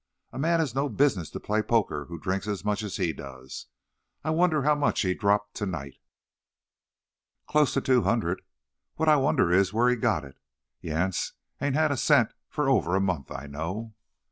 "A man has no business to play poker who drinks as much as he does. I wonder how much he dropped to night." "Close to two hundred. What I wonder is whar he got it. Yance ain't had a cent fur over a month, I know."